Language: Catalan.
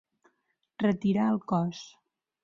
Retirar el cos.